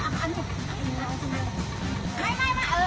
ไม่เออง่ายเนี่ยได้